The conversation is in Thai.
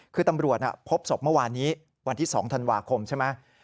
คือตำรวจพบศพเมื่อวานนี้วันที่๒ธันวาคมใช่ไหม